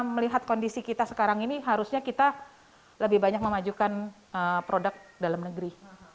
melihat kondisi kita sekarang ini harusnya kita lebih banyak memajukan produk dalam negeri